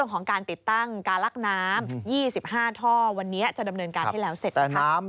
การลักน้ำ๒๕ท่อวันนี้จะดำเนินการที่แล้วเสร็จครับ